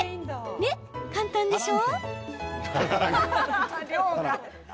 ね、簡単でしょ？